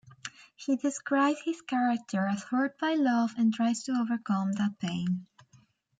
He described his character as hurt by love and tries to overcome that pain.